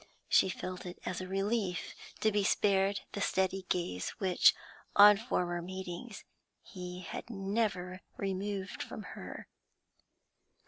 She felt it as a relief to be spared the steady gaze which, on former meetings, he had never removed from her.